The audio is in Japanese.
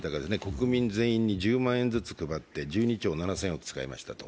国民全員に１０万円ずつ配って１２兆７０００億円使いましたと。